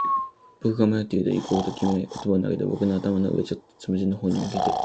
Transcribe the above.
僕が迷っていると、行こうと君は言葉を投げた。僕の頭の上、ちょうどつむじの方に向けて。